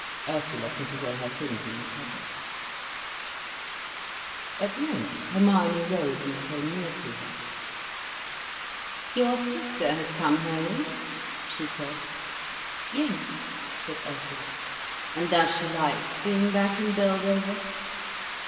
Ursula put away her things in the cupboard. At length Hermione rose and came near to her. "Your sister has come home?" she said. "Yes," said Ursula. "And does she like being back in Beldover?"